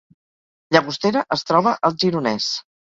Llagostera es troba al Gironès